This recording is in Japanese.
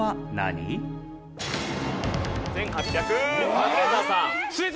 カズレーザーさん。